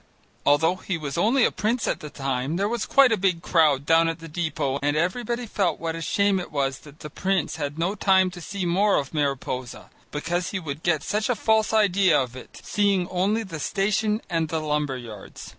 Although he was only a prince at the time, there was quite a big crowd down at the depot and everybody felt what a shame it was that the prince had no time to see more of Mariposa, because he would get such a false idea of it, seeing only the station and the lumber yards.